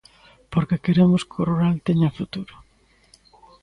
Porque queremos que o rural teña futuro.